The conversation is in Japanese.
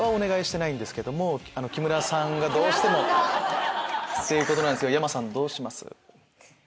木村さんが「どうしても」っていうことなんですけどヤマさんどうします？